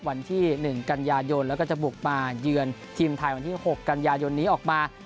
วันที่๑กันยายนแล้วก็จะบุกมาเยือนทีมไทยวันที่๖กันยายนนี้ออกมา